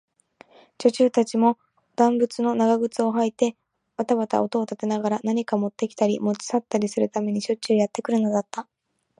女中たちも、男物の長靴をはいてばたばた音を立てながら、何かをもってきたり、もち去ったりするためにしょっちゅうやってくるのだった。